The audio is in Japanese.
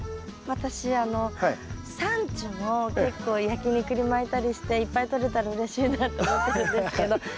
私あのサンチュも結構焼き肉に巻いたりしていっぱいとれたらうれしいなと思ってるんですけど。